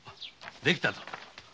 できたぞ。